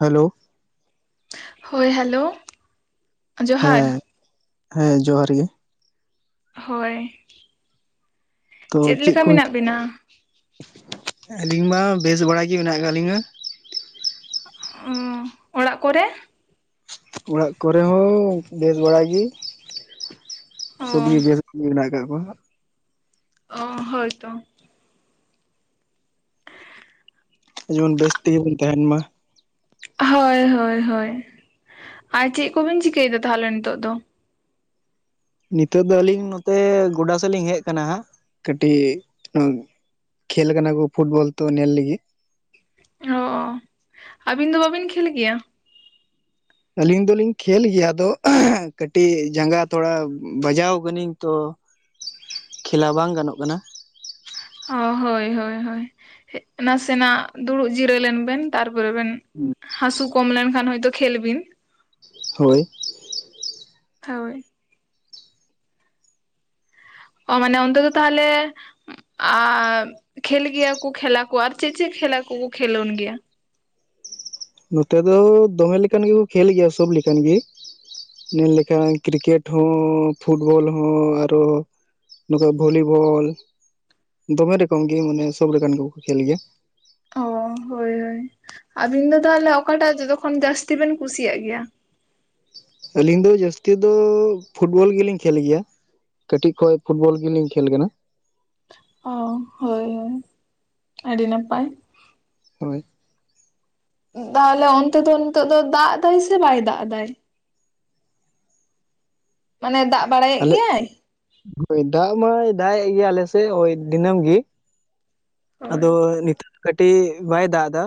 Hello. ᱦᱳᱭ hello, ᱡᱚᱦᱟᱨ᱾ ᱦᱮᱸ ᱦᱮᱸ ᱡᱚᱦᱟᱨ ᱜᱮ᱾ ᱦᱳᱭ᱾ ᱛᱚ ᱪᱮᱫ ᱞᱮᱠᱟ ᱠᱚᱢ? ᱢᱮᱱᱟᱜ ᱵᱤᱱᱟ? ᱟᱹᱞᱤᱧ ᱢᱟ ᱵᱮᱥ ᱵᱟᱲᱟ ᱜᱮ ᱢᱮᱱᱟᱜ ᱠᱟᱜ ᱞᱤᱧᱟᱹ᱾ ᱚᱻ, ᱚᱲᱟᱜ ᱠᱚᱨᱮ? ᱚᱲᱟᱜ ᱠᱚᱨᱮ ᱦᱚᱸ ᱵᱮᱥ ᱵᱟᱲᱟ ᱜᱮ᱾ ᱚ ᱥᱚᱵ ᱜᱮ ᱵᱮᱥ ᱜᱮ ᱢᱮᱱᱟᱜ ᱠᱟᱜ ᱠᱚᱣᱟ᱾ ᱚ, ᱦᱳᱭᱛᱚ᱾ ᱡᱮᱢᱚᱱ ᱵᱮᱥ ᱛᱮᱜᱮ ᱵᱚᱱ ᱛᱟᱸᱦᱮᱱ ᱢᱟ᱾ ᱦᱳᱭ ᱦᱳᱭ ᱦᱳᱭ, ᱟᱨ ᱪᱮᱫ ᱠᱚᱵᱤᱱ ᱪᱤᱠᱟᱹᱭᱫᱟ ᱛᱟᱦᱞᱮ ᱱᱤᱛᱚᱜ ᱫᱚ? ᱱᱤᱛᱳᱜ ᱫᱚ ᱟᱹᱞᱤᱧ ᱱᱚᱛᱮ ᱜᱚᱰᱟ ᱥᱮᱫ ᱞᱤᱧ ᱦᱮᱡ ᱠᱟᱱᱟ ᱦᱟᱸᱜ ᱠᱟᱹᱴᱤᱜ ᱠᱷᱮᱞ ᱠᱟᱱᱟ ᱠᱚ ᱯᱷᱩᱴᱵᱚᱞ ᱛᱚ ᱱᱮᱞ ᱞᱟᱹᱜᱤᱫ᱾ ᱚ ᱟᱹᱵᱤᱱ ᱫᱚ ᱵᱟᱵᱤᱱ ᱠᱷᱮᱞ ᱜᱮᱭᱟ? ᱟᱹᱞᱤᱧ ᱫᱚᱞᱤᱧ ᱠᱷᱮᱞ ᱜᱮᱭᱟ ᱟᱫᱚ ᱠᱟᱹᱴᱤᱜ ᱡᱟᱸᱜᱟ ᱛᱷᱚᱲᱟ ᱵᱟᱡᱟᱣ ᱠᱟᱱᱟᱹᱧ ᱛᱚ [inaudible] ᱠᱷᱮᱞᱟ ᱵᱟᱝ ᱜᱟᱱᱚᱜ ᱠᱟᱱᱟ᱾ ᱚ ᱦᱳᱭ ᱦᱳᱭ ᱦᱳᱭ ᱱᱟᱥᱮᱱᱟᱜ ᱫᱩᱲᱩᱵ ᱡᱤᱨᱟᱹ ᱞᱮᱱ ᱵᱮᱱ᱾ ᱛᱟᱨᱯᱚᱨ ᱵᱮᱱ ᱦᱟᱥᱩ ᱠᱚᱢ ᱞᱮᱱᱠᱷᱟᱱ ᱦᱚᱭᱛᱳ ᱠᱷᱮᱞ ᱵᱤᱱ᱾ ᱦᱳᱭ ᱦᱳᱭ ᱚ ᱢᱟᱱᱮ ᱚᱱᱛᱮ ᱫᱚ ᱛᱟᱦᱞᱮ ᱟᱨ ᱠᱷᱮᱞ ᱜᱮᱭᱟ ᱠᱚ ᱠᱷᱮᱞᱟ ᱠᱚ ᱟᱨ ᱪᱮᱫ ᱪᱮᱫ ᱠᱷᱮᱞᱟ ᱠᱚ ᱠᱷᱮᱞᱳᱱ ᱜᱮᱭᱟ? ᱱᱚᱛᱮ ᱫᱚ ᱫᱚᱢᱮ ᱞᱮᱠᱟᱱ ᱜᱮᱠᱚ ᱠᱷᱮᱞ ᱜᱮᱭᱟ ᱥᱳᱵ ᱞᱮᱠᱟᱱ ᱜᱮ, ᱧᱮᱞ ᱞᱮᱠᱷᱟᱱ ᱠᱨᱤᱠᱮᱴ ᱦᱚᱸ ᱯᱷᱩᱴᱵᱚᱞ ᱦᱚᱸ ᱟᱨᱚ ᱱᱚᱠᱟ ᱵᱷᱚᱞᱤᱵᱚᱞ ᱫᱚᱢᱮ ᱨᱮᱠᱚᱢ ᱜᱮ ᱢᱟᱱᱮ ᱥᱚᱵ ᱨᱚᱠᱚᱢ ᱜᱮᱠᱚ ᱠᱷᱮᱞ ᱜᱮᱭᱟ᱾ ᱚ ᱦᱳᱭ ᱦᱳᱭ ᱟᱵᱤᱱ ᱫᱚ ᱛᱟᱦᱞᱮ ᱚᱠᱟᱴᱟᱜ ᱡᱚᱛᱚᱠᱷᱚᱱ ᱡᱟᱹᱥᱛᱤ ᱵᱮᱱ ᱠᱩᱥᱤᱭᱟᱜ ᱜᱮᱭᱟ? ᱟᱹᱞᱤᱧ ᱫᱚ ᱡᱟᱹᱥᱛᱤ ᱫᱚ ᱯᱷᱩᱴᱵᱚᱞ ᱜᱮ ᱞᱤᱧ ᱠᱷᱮᱞ ᱜᱮᱭᱟ᱾ ᱠᱟᱹᱴᱤᱜ ᱠᱷᱚᱡ ᱯᱷᱩᱴᱵᱚᱞ ᱜᱮ ᱞᱤᱧ ᱠᱷᱮᱞ ᱠᱟᱱᱟ᱾ ᱚᱜ ᱦᱳᱭ ᱦᱳᱭ ᱟᱹᱰᱤ ᱱᱟᱯᱟᱭ, ᱦᱳᱭ ᱛᱟᱦᱚᱞᱮ ᱚᱱᱛᱮ ᱫᱚ ᱱᱤᱛᱳᱜ ᱫᱚ ᱫᱟᱜ ᱮᱫᱟᱭ ᱥᱮ ᱵᱟᱭ ᱫᱟᱜ ᱮᱫᱟᱭ? ᱢᱟᱱᱮ ᱫᱟᱜ ᱵᱟᱲᱟᱭᱮᱫ ᱟᱞᱮ ᱜᱮᱭᱟᱭ? ᱦᱳᱭ ᱫᱟᱜ ᱢᱟᱭ ᱫᱟᱜ ᱮᱫ ᱜᱮᱭᱟ ᱟᱞᱮᱥᱮ ᱳᱭ ᱫᱤᱱᱟᱹᱢ ᱜᱤ ᱦᱳᱭ ᱟᱫᱚ ᱱᱤᱛᱟᱹᱜ ᱫᱚ ᱠᱟᱹᱴᱤᱡ ᱵᱟᱭ ᱫᱟᱜ ᱫᱟ,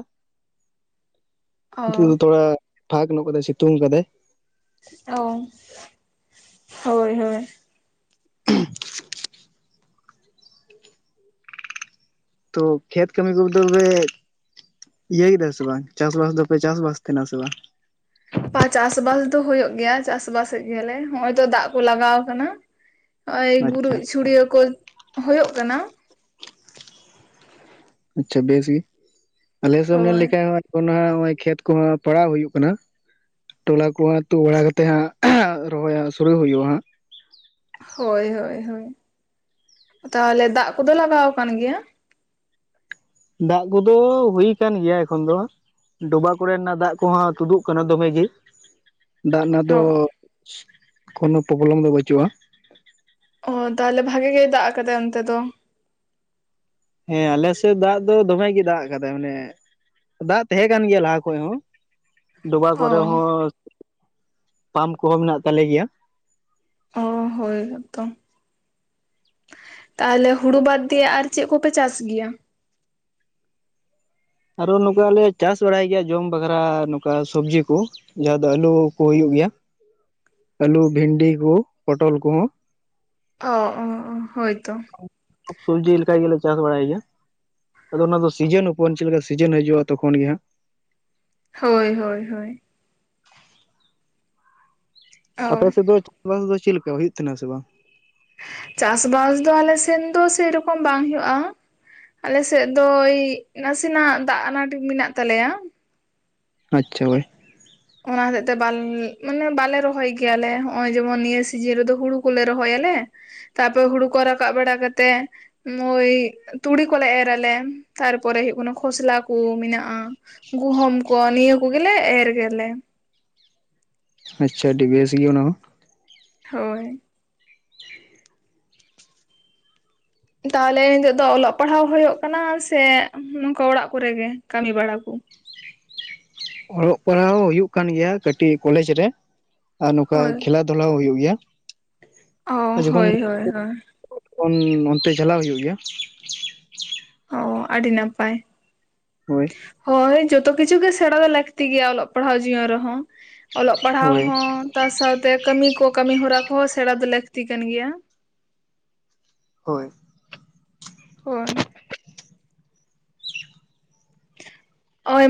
ᱱᱤᱛᱳᱜ ᱚ ᱫᱚ ᱛᱷᱚᱲᱟ ᱯᱷᱟᱠ ᱧᱚᱜ ᱠᱟᱫᱟᱭ ᱥᱤᱛᱩᱝ ᱠᱟᱫᱟᱭ᱾ ᱚ ᱦᱳᱭ ᱦᱳᱭ [inaudible] ᱛᱚ ᱠᱷᱮᱛ ᱠᱟᱹᱢᱤ ᱠᱚ ᱫᱚ ᱯᱮ ᱤᱭᱟᱹ ᱫᱟ ᱥᱮ ᱵᱟᱝ ᱪᱟᱥᱵᱟᱥ ᱫᱚ ᱯᱮ ᱪᱟᱥᱵᱟᱥ ᱛᱟᱦᱮᱱᱟ ᱥᱮ ᱵᱟᱝ? ᱯᱟ ᱪᱟᱥᱵᱟᱥ ᱫᱚ ᱦᱳᱭᱳᱜ ᱜᱮᱭᱟ ᱪᱟᱥᱵᱟᱥᱮᱫ ᱜᱮᱭᱟᱞᱮ ᱦᱚᱜ-ᱚᱭ ᱛᱚ ᱫᱟᱜ ᱠᱚ ᱞᱟᱜᱟᱣ ᱠᱟᱱᱟ, ᱱᱚᱜ-ᱚᱭ ᱟᱪᱪᱷᱟ ᱜᱩᱨᱤᱡ ᱪᱷᱩᱲᱭᱟᱹᱣ ᱠᱚ ᱦᱳᱭᱳᱜ ᱠᱟᱱᱟ᱾ ᱟᱪᱪᱷᱟ ᱵᱮᱥᱜᱮ ᱟᱞᱮ ᱥᱮ ᱮᱢ ᱱᱮᱞ ᱦᱳᱭ ᱞᱮᱠᱷᱟᱱ ᱱᱚᱜ-ᱚᱭ ᱠᱷᱮᱛ ᱠᱚᱦᱚᱸ ᱯᱟᱲᱟᱦ ᱦᱩᱭᱩᱜ ᱠᱟᱱᱟ᱾ ᱛᱚᱞᱟ ᱠᱚ ᱦᱟᱸᱜ ᱛᱩᱜ ᱵᱟᱲᱟ ᱠᱟᱛᱮ ᱦᱟᱸᱜ ᱨᱚᱦᱚᱭ ᱦᱟᱸᱜ ᱥᱩᱨᱩ ᱦᱩᱭᱩᱜ-ᱟ ᱦᱟᱸᱜ᱾ ᱦᱳᱭ ᱦᱳᱭ ᱦᱳᱭ ᱛᱟᱦᱚᱞᱮ ᱫᱟᱜ ᱠᱚ ᱫᱚ ᱞᱟᱜᱟᱣ ᱟᱠᱟᱱ ᱜᱮᱭᱟ? ᱫᱟᱜ ᱠᱚᱫᱚ ᱦᱩᱭ ᱠᱟᱱ ᱜᱮᱭᱟ ᱮᱠᱷᱚᱱ ᱫᱚ ᱦᱟᱸᱜ, ᱰᱚᱵᱟᱜ ᱠᱚᱨᱮ ᱱᱟᱜ ᱫᱟᱜ ᱠᱚᱦᱚᱸ ᱛᱩᱫᱩᱜ ᱠᱟᱱᱟ ᱫᱚᱢᱮ ᱜᱮ, ᱫᱟᱜ ᱨᱮᱱᱟᱜ ᱫᱚ ᱚ ᱠᱳᱱᱳ ᱯᱨᱚᱵᱞᱮᱢ ᱫᱚ ᱵᱟᱹᱪᱩᱜ-ᱟ, ᱚᱜ ᱛᱟᱦᱚᱞᱮ ᱵᱷᱟᱜᱮ ᱜᱮᱭ ᱫᱟᱜ ᱟᱠᱟᱫᱟᱭ ᱚᱱᱛᱮ ᱫᱚ, ᱦᱮᱸ ᱟᱞᱮ ᱥᱮᱡ ᱫᱟᱜ ᱫᱚ ᱫᱚᱢᱮ ᱜᱮᱭ ᱫᱟᱜ ᱠᱟᱫᱟᱭ ᱢᱟᱱᱮ ᱫᱟᱜ ᱛᱟᱦᱮᱸ ᱠᱟᱱ ᱜᱮᱭᱟ ᱞᱟᱦᱟ ᱠᱷᱚᱡ ᱦᱚᱸ, ᱰᱚᱵᱟ ᱠᱚᱨᱮ ᱚ ᱦᱚᱸ ᱯᱟᱢᱯ ᱠᱚᱦᱚᱸ ᱢᱮᱱᱟᱜ ᱛᱟᱞᱮ ᱜᱮᱭᱟ, ᱚᱜ ᱦᱳᱭ ᱛᱚ ᱛᱟᱦᱚᱞᱮ ᱦᱩᱲᱩ ᱵᱟᱫᱽ ᱫᱤᱭᱮ ᱟᱨ ᱪᱮᱜ ᱠᱚᱯᱮ ᱪᱟᱥ ᱜᱮᱭᱟ? ᱟᱨᱚ ᱱᱚᱠᱟᱞᱮ ᱪᱟᱥ ᱵᱟᱲᱟᱭ ᱜᱮᱭᱟ ᱡᱚᱢ ᱵᱟᱠᱷᱨᱟ ᱱᱚᱠᱟ ᱥᱚᱵᱡᱤ ᱠᱩ᱾ ᱡᱟᱦᱟᱸ ᱫᱚ ᱟᱹᱞᱩ ᱠᱚ ᱦᱩᱭᱩᱜ ᱜᱮᱭᱟ ᱟᱹᱞᱩ ᱵᱷᱤᱱᱰᱤ ᱠᱩ ᱯᱚᱴᱚᱞ ᱠᱚᱦᱚᱸ᱾ ᱚ ᱚ ᱚ ᱦᱳᱭᱛᱚ [unintelligible] ᱞᱮᱠᱟ ᱜᱮ ᱞᱮ ᱪᱟᱥ ᱵᱟᱲᱟᱭ ᱜᱮᱭᱟ᱾ ᱟᱫᱚ ᱚᱱᱟ ᱫᱚ ᱥᱤᱡᱤᱱ ᱩᱯᱚᱱ, ᱪᱮᱫ ᱞᱮᱠᱟ ᱥᱤᱡᱤᱱ ᱦᱤᱡᱩᱜᱼᱟ ᱛᱚᱠᱷᱚᱱ ᱜᱮ ᱦᱟᱸᱜ᱾ ᱦᱳᱭ ᱦᱳᱭ ᱦᱳᱭ᱾ ᱟᱯᱮ ᱚ ᱥᱮᱫ ᱫᱚ ᱪᱟᱥᱵᱟᱥ ᱫᱚ ᱪᱮᱫ ᱞᱮᱠᱟ ᱦᱩᱭᱩᱜ ᱛᱟᱦᱮᱱᱟ ᱥᱮ ᱵᱟᱝ? ᱪᱟᱥᱵᱟᱥ ᱫᱚ ᱟᱞᱮ ᱥᱮᱱ ᱫᱚ ᱥᱮᱨᱚᱠᱚᱢ ᱵᱟᱝ ᱦᱩᱭᱩᱜᱼᱟ᱾ ᱟᱞᱮ ᱥᱮᱫ ᱫᱚ ᱳᱭ ᱱᱟᱥᱮᱱᱟᱜ ᱫᱟᱜ ᱟᱱᱟᱴ ᱢᱮᱱᱟᱜ ᱛᱟᱞᱮᱭᱟ᱾ ᱟᱪᱪᱷᱟ ᱦᱳᱭ᱾ ᱚᱱᱟ ᱦᱚᱛᱮᱜ ᱛᱮ ᱵᱟᱞ ᱢᱟᱱᱮ ᱵᱟᱞᱮ ᱨᱚᱦᱚᱭ ᱜᱮᱭᱟᱞᱮ ᱱᱚᱜᱼᱚᱭ ᱡᱮᱢᱚᱱ ᱱᱤᱭᱟᱹ ᱥᱤᱡᱤᱱ ᱨᱮᱫᱚ ᱦᱩᱲᱩ ᱠᱚᱞᱮ ᱨᱚᱦᱚᱭᱟᱞᱮ᱾ ᱛᱟᱯᱚᱨ ᱦᱩᱲᱩ ᱠᱚ ᱨᱟᱠᱟᱵ ᱵᱟᱲᱟ ᱠᱟᱛᱮᱜ ᱢᱳᱭ ᱛᱩᱲᱤ ᱠᱚᱞᱮ ᱮᱨ ᱟᱞᱮ, ᱛᱟᱨᱯᱚᱨᱮ ᱦᱩᱭᱩᱜ ᱠᱟᱱᱟ ᱠᱷᱚᱥᱞᱟ ᱠᱚ ᱢᱮᱱᱟᱜᱼᱟ᱾ ᱜᱩᱦᱚᱢ ᱠᱚ ᱱᱤᱭᱟᱹ ᱠᱚ ᱜᱮ ᱮᱨ ᱜᱮᱭᱟᱞᱮ᱾ ᱟᱪᱪᱷᱟ ᱟᱹᱰᱤ ᱵᱮᱥ ᱜᱮ ᱚᱱᱟ ᱦᱚᱸ᱾ ᱦᱳᱭ᱾ ᱛᱟᱦᱚᱞᱮ ᱱᱤᱛᱳᱜ ᱫᱚ ᱚᱞᱚᱜ ᱯᱟᱲᱦᱟᱣ ᱦᱩᱭᱩᱜ ᱠᱟᱱᱟ ᱥᱮ ᱱᱚᱝᱠᱟ ᱚᱲᱟᱜ ᱠᱚᱨᱮ ᱜᱮ ᱠᱟᱹᱢᱤ ᱵᱟᱲᱟ ᱠᱚ᱾ ᱚᱞᱚᱜ ᱯᱟᱲᱦᱟᱣ ᱦᱩᱭᱩᱜ ᱠᱟᱱ ᱜᱮᱭᱟ ᱠᱟᱹᱴᱤᱡ ᱠᱚᱞᱮᱡᱽ ᱨᱮ ᱟᱨ ᱱᱚᱝᱠᱟ ᱦᱳᱭ ᱠᱷᱮᱞᱟ ᱫᱷᱩᱞᱟᱣ ᱦᱩᱭᱩᱜ ᱜᱮᱭᱟ᱾ ᱚᱜ ᱦᱳᱭ ᱦᱳᱭ ᱦᱳᱭ᱾ ᱛᱚᱠᱷᱚᱱ ᱚᱱᱛᱮ ᱪᱟᱞᱟᱣ ᱦᱩᱭᱩᱜ ᱜᱮᱭᱟ᱾ ᱚ ᱟᱹᱰᱤ ᱱᱟᱯᱟᱭ᱾ ᱦᱳᱭ ᱦᱳᱭ ᱡᱚᱛᱚ ᱠᱤᱪᱷᱩ ᱜᱮ ᱥᱮᱬᱟ ᱫᱚ ᱞᱟᱹᱠᱛᱤ ᱜᱮᱭᱟ ᱚᱞᱚᱜ ᱯᱟᱲᱦᱟᱣ ᱡᱤᱭᱚᱱ ᱨᱮᱦᱚᱸ᱾ ᱚᱞᱚᱜ ᱯᱟᱲᱦᱟᱣ ᱦᱳᱭ ᱦᱚᱸ ᱛᱟ ᱥᱟᱶᱛᱮ ᱠᱟᱹᱢᱤ ᱠᱚ ᱠᱟᱹᱢᱤ ᱦᱚᱨᱟ ᱠᱚᱦᱚᱸ ᱥᱮᱬᱟ ᱫᱚ ᱞᱟᱹᱠᱛᱤ ᱠᱟᱱ ᱜᱮᱭᱟ᱾ ᱦᱳᱭ᱾ ᱦᱳᱭ᱾ ᱱᱚᱜᱼᱚᱭ